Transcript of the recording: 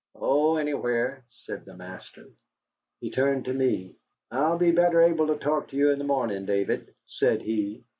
"Oh, anywhere," said the master. He turned to me. "I'll be better able to talk to you in the morning, David," said he.